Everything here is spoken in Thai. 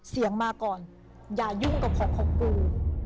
มาก่อนอย่ายุ่งกับของของกู